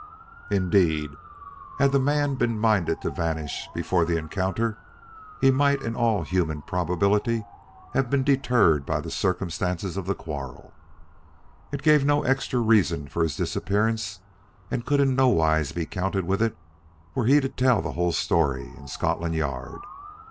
Indeed, had the man been minded to vanish before the encounter, he might in all human probability have been deterred by the circumstances of the quarrel. It gave no extra reason for his disappearance, and could in no wise be counted with it were he to tell the whole story, in Scotland Yard.